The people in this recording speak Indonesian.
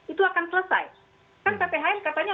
itu akan selesai kan pphn katanya